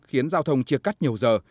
khiến giao thông chia cắt nhiều giờ